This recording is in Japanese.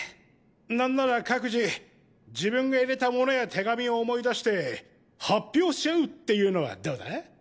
なんなら各自自分が入れた物や手紙を思い出して発表し合うっていうのはどうだ？